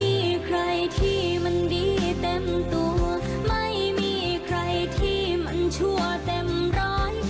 มีใครที่มันดีเต็มตัวไม่มีใครที่มันชั่วเต็มร้อย